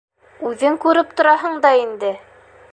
Үҙең күреп тораһың да инде.